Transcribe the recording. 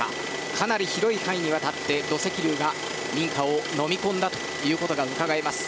かなり広い範囲にわたって土石流が民家をのみ込んだことがうかがえます。